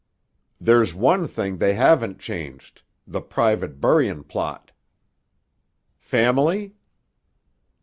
"There's one thing they haven't changed, the private buryin' plot." "Family?"